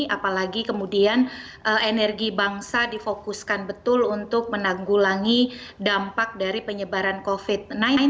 apalagi kemudian energi bangsa difokuskan betul untuk menanggulangi dampak dari penyebaran covid sembilan belas